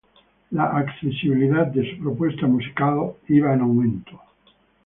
La accesibilidad de su propuesta musical iba en aumento.